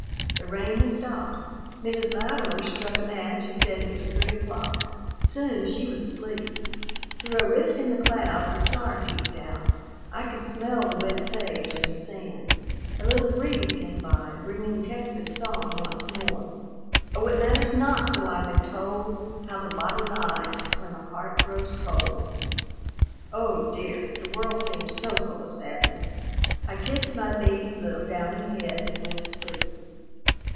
The rain had stopped. Mrs. Louderer struck a match and said it was three o'clock. Soon she was asleep. Through a rift in the clouds a star peeped out. I could smell the wet sage and the sand. A little breeze came by, bringing Tex's song once more: "Oh, it matters not, so I've been told, How the body lies when the heart grows cold." Oh, dear! the world seemed so full of sadness. I kissed my baby's little downy head and went to sleep.